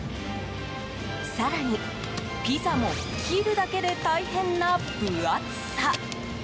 更にピザも切るだけで大変な分厚さ。